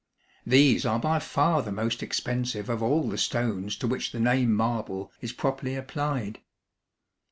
These are by far the most expensive of all the stones to which the name marble is properly applied.